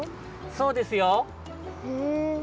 そうですよ。へえ。